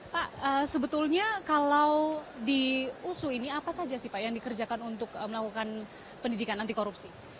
pak sebetulnya kalau di usu ini apa saja sih pak yang dikerjakan untuk melakukan pendidikan anti korupsi